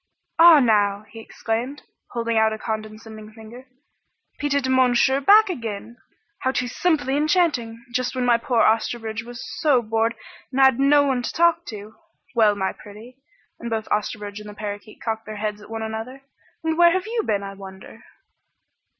"Ah, now!" he exclaimed, holding out a condescending finger, "Petit Monsieur back again! How too simply enchanting! Just when poor Osterbridge was so bored and had no one to talk to! Well, my pretty " and both Osterbridge and the parakeet cocked their heads at one another "and where have you been, I wonder?"